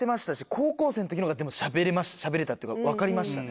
高校生の時のほうがでもしゃべれたっていうか分かりましたね。